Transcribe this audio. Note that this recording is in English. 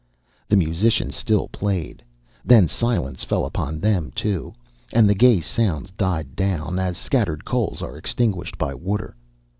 The musicians still played; then silence fell upon them, too, and the gay sounds died down, as scattered coals are extinguished by water.